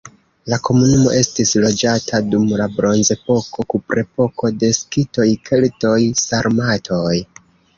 La komunumo estis loĝata dum la bronzepoko, kuprepoko, de skitoj, keltoj, sarmatoj.